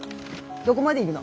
どごまで行くの？